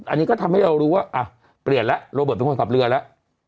อันนี้ก็ทำให้เรารู้ว่าเปลี่ยนแล้วโรเบิร์ตเป็นคนขับเรือแล้ว